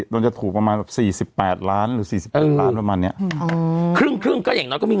มันจะถูกประมาณ๔๘ร้านหรือ๔๐ร้านติด